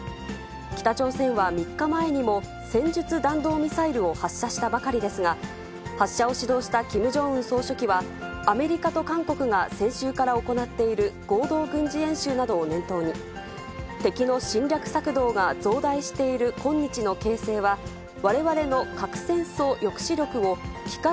北朝鮮は３日前にも、戦術弾道ミサイルを発射したばかりですが、発射を指導したキム・ジョンウン総書記は、アメリカと韓国が先週から行っている合同軍事演習などを念頭に、敵の侵略策動が増大している今日の形勢は、われわれの核戦争抑止力を幾何